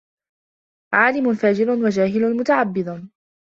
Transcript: عَالِمٌ فَاجِرٌ وَجَاهِلٌ مُتَعَبِّدٌ